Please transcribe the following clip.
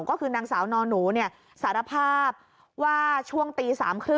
ก็คือนางสาวนอนหนูสารภาพว่าช่วงตี๓๓๐